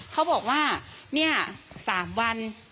เขาบอกว่าเนี่ย๓วัน